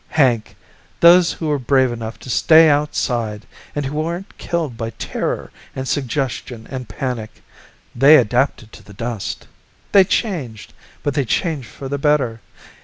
Hank, those who were brave enough to stay outside, and who weren't killed by terror and suggestion and panic they adapted to the dust. They changed, but they changed for the better.